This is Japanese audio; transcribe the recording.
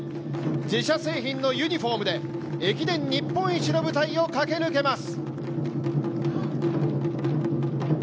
自社製品のユニフォームで駅伝日本一の舞台を駆け抜けます。